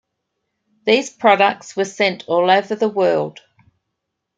These products were sent all over the world.